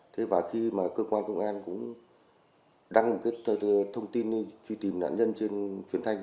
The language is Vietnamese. thế và khi mà cơ quan công an cũng đăng một thông tin truy tìm nạn nhân trên truyền thanh